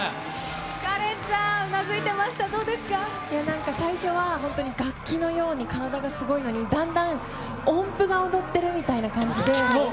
カレンちゃん、うなずいてまなんか、最初は本当に楽器のように体がすごいのに、だんだん音符が踊っているみたいな感じで。